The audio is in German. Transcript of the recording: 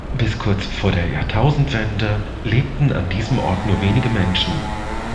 Bis kurz vor der Jahrtausendwende lebten an diesem Ort nur wenige Menschen.